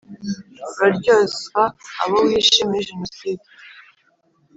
Uraryozwa abo wishe muri genoside